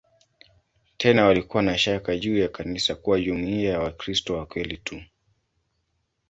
Tena walikuwa na shaka juu ya kanisa kuwa jumuiya ya "Wakristo wa kweli tu".